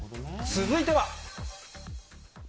続いては。